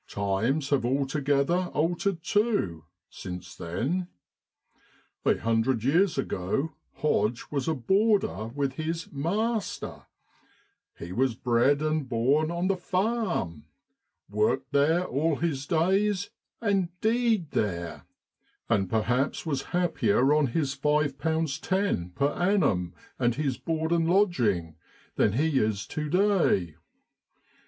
Times have altogether altered, too, since then. A hundred years ago Hodge was a boarder with his ' maaster,' he was bred and born on the ' faarm,' worked there all his days, and 'deed 'there, and perhaps was happier on his five pounds ten per annum, and his board and lodging, than he is to day.